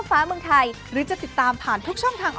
แป้มบุญเขาสูงมาก